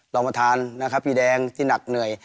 เรามาทานนะครับพี่แดงที่หนักเหนื่อย